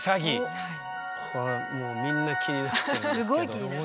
これみんな気になってるんですけどどういう。